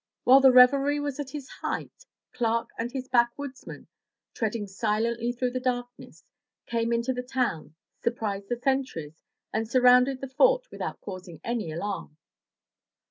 While the revelry was at its height, Clark and his backwoodsmen, tread ing silently through the darkness, came into the town, surprised the sentries, and surrounded the fort without causing any alarm.